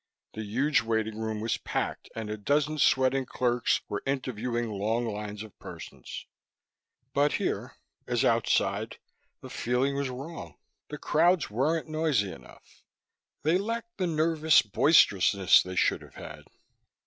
The huge waiting room was packed and a dozen sweating clerks were interviewing long lines of persons. But here, as outside, the feeling was wrong; the crowds weren't noisy enough; they lacked the nervous boisterousness they should have had.